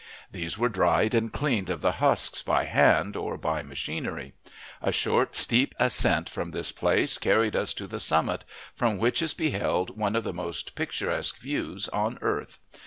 These were dried and cleaned of the husk by hand or by machinery. A short, steep ascent from this place carried us to the summit, from which is beheld one of the most picturesque views on earth.